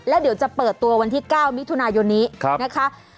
แล้วเดี๋ยวจะเปิดตัววันที่๙มิถุนายนนี้นะคะ